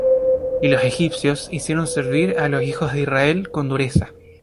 Y los Egipcios hicieron servir á los hijos de Israel con dureza: